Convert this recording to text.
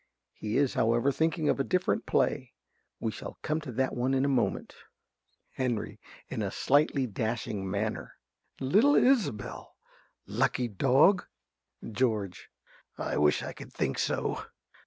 He is, however, thinking of a different play. We shall come to that one in a moment._) ~Henry~ (in a slightly dashing manner). Little Isobel? Lucky dog! ~George.~ I wish I could think so.